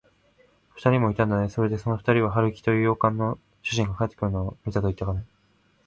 ふたりもいたんだね。それで、そのふたりは、春木という洋館の主人が帰ってくるのを見たといっていたかね。